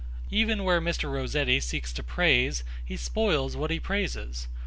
Even where Mr. Rossetti seeks to praise, he spoils what he praises.